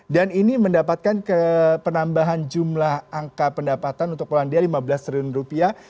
dan ini mendapatkan penambahan jumlah angka pendapatan untuk polandia lima belas triliun rupiah